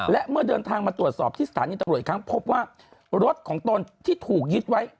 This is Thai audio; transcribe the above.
และเมื่อเดินทางมาตรวจสอบที่สถานีตำรวจอีกครั้งพบว่ารถของตนที่ถูกยึดไว้